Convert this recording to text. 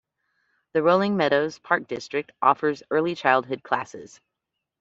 The Rolling Meadows Park District offers early childhood classes.